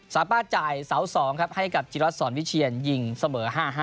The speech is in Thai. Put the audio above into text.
สามารถจ่ายเสา๒ครับให้กับจิรัตนสอนวิเชียนยิงเสมอ๕๕